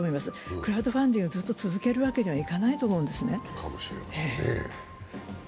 クラウドファンディング、ずっと続けるわけにはいかないと思うんですね。